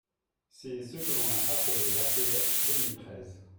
C’est ce que l’on a appelé l’ATS deux mille treize.